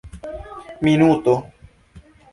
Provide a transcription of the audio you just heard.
minuto